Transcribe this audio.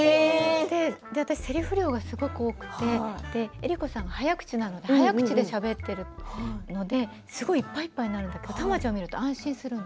私、せりふ量がすごく多くて江里子さんが早口なので早口でしゃべっているのですごいいっぱいいっぱいになるんだけれど玉ちゃんを見ると安心するの。